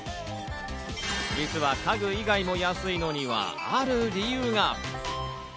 実は家具以外も安いのには、ある理由が。